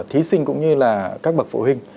thí sinh cũng như là các bậc phụ huynh